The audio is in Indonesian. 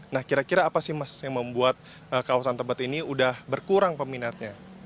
nah kira kira apa sih mas yang membuat kawasan tebet ini udah berkurang peminatnya